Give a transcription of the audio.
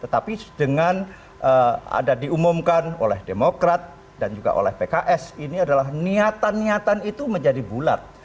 tetapi dengan ada diumumkan oleh demokrat dan juga oleh pks ini adalah niatan niatan itu menjadi bulat